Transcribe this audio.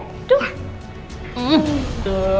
jangan jelas sama riana ya